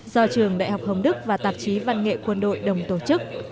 do trường đại học hồng đức và tạp chí văn nghệ quân đội đồng tổ chức